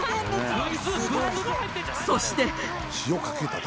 そして。